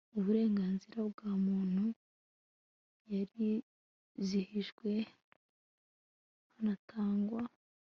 uburenganzira bwa muntu yarizihijwe hanatangwa